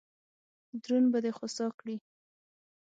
درون به دې خوسا کړي.